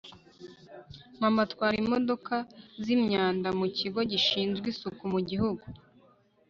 mama atwara imodoka zimyanda mukigo gishinzwe isuku mugihugu